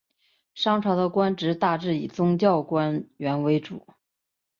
商朝的官职大致以宗教官员为主。